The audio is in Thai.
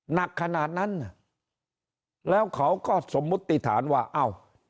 หนักขนาดนั้นแล้วเขาก็สมมุติฐานว่าเอ้า